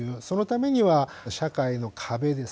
そのためには「社会の壁」ですね。